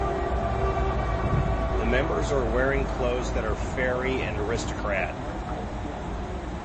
The members are wearing clothes that are fairy and aristocrat.